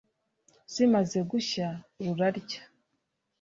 zimaze gushya rurarya,